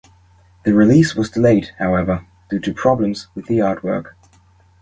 The release was delayed, however, due to problems with the artwork.